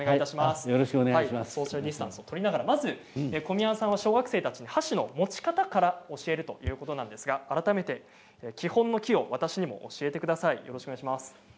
ソーシャルディスタンスを取りながらまず小宮山さんは小学生たちに箸の持ち方から教えるということなんですが、改めて基本の「き」を私にも教えてください。